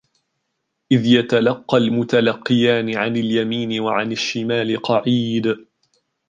إِذْ يَتَلَقَّى الْمُتَلَقِّيَانِ عَنِ الْيَمِينِ وَعَنِ الشِّمَالِ قَعِيدٌ